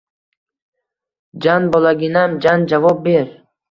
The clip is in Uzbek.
Jan, bolaginam, Jan, javob ber